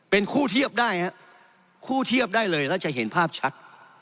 เป็นคู่เทียบได้ครับคู่เทียบได้เลยแล้วจะเห็นภาพชัด